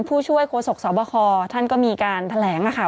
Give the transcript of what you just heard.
ผู้ช่วยโฆษกสบคท่านก็มีการแถลง